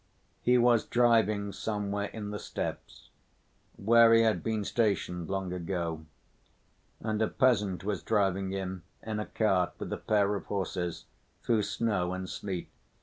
He was driving somewhere in the steppes, where he had been stationed long ago, and a peasant was driving him in a cart with a pair of horses, through snow and sleet.